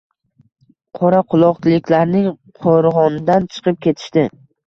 Qoraquroqliklarning qo‘rg‘ondan chiqib ketishdi